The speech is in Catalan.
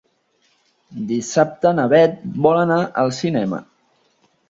Dissabte na Beth vol anar al cinema.